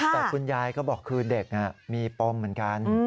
แต่คุณยายก็บอกคือเด็กมีปมเหมือนกัน